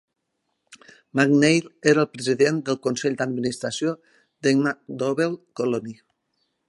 MacNeil era el president del consell d'administració de MacDowell Colony.